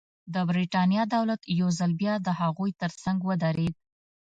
د برېټانیا دولت یو ځل بیا د هغوی ترڅنګ ودرېد.